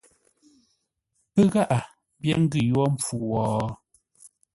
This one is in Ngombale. Pə́ gháʼa mbyér ngʉ̂ yórə́ mpfu wo ?